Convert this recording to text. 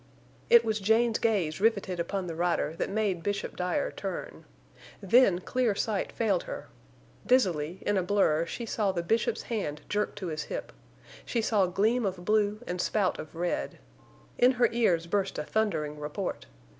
It was Jane's gaze riveted upon the rider that made Bishop Dyer turn. Then clear sight failed her. Dizzily, in a blur, she saw the Bishop's hand jerk to his hip. She saw gleam of blue and spout of red. In her ears burst a thundering report.